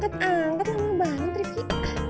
gak diangkat angkat lama banget rifki